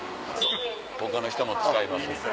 他の人も使います。